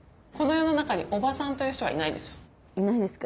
いないですか？